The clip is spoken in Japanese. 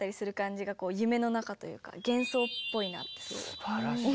すばらしいね。